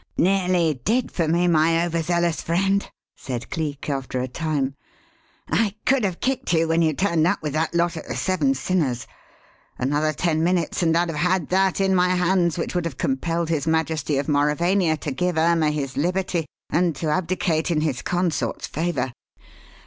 "Nearly did for me, my overzealous friend," said Cleek, after a time. "I could have kicked you when you turned up with that lot at the Seven Sinners. Another ten minutes and I'd have had that in my hands which would have compelled his Majesty of Mauravania to give Irma his liberty and to abdicate in his consort's favour.